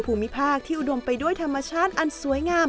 ภูมิภาคที่อุดมไปด้วยธรรมชาติอันสวยงาม